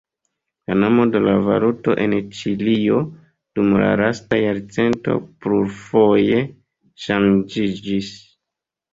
La nomo de la valuto en Ĉilio dum la lasta jarcento plurfoje ŝanĝiĝis.